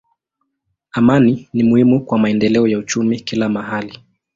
Amani ni muhimu kwa maendeleo ya uchumi kila mahali.